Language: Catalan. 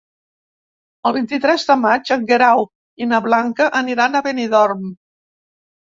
El vint-i-tres de maig en Guerau i na Blanca aniran a Benidorm.